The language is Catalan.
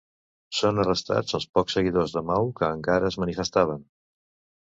Són arrestats els pocs seguidors de Mau que encara es manifestaven.